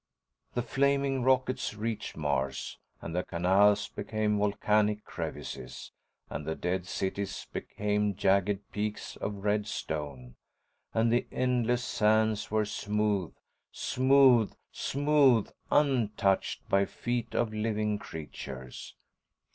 The flaming rockets reached Mars, and the canals became volcanic crevices, and the dead cities became jagged peaks of red stone, and the endless sands were smooth, smooth, smooth, untouched by feet of living creatures.